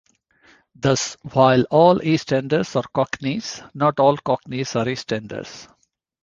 Thus while all East Enders are cockneys, not all cockneys are East Enders.